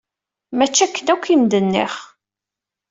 Mačči akken akk i m-d-nniɣ!